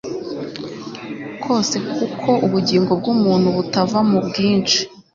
kose kuko ubugingo bw umuntu butava mu bwinshi